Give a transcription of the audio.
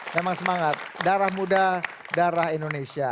memang semangat darah muda darah indonesia